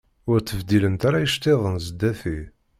Ur ttbeddilent ara iceṭṭiḍen sdat-i.